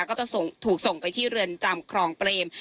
ก็จะถูกส่งไปที่เรือนจำครองเปรม